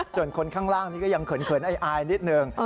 ส่วนคนข้างล่างนี้ก็ยังเขินอายนิดหนึ่ง